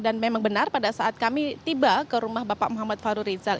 dan memang benar pada saat kami tiba ke rumah bapak wahru rizal